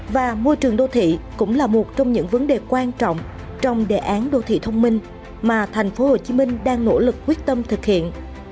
và môi trường đô thị cũng là một trong những vấn đề quan trọng trong đề án đô thị thông minh mà thành phố hồ chí minh đang nỗ lực quyết tâm thực hiện